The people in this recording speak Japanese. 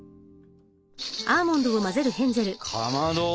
かまど！